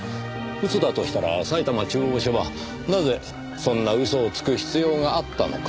嘘だとしたら埼玉中央署はなぜそんな嘘をつく必要があったのか。